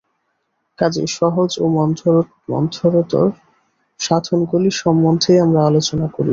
কাজেই সহজ ও মন্থরতর সাধনগুলি সম্বন্ধেই আমরা আলোচনা করিব।